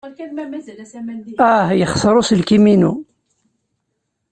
Ah! Yexṣer uselkim-inu.